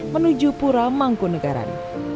menuju pura mangkunagaran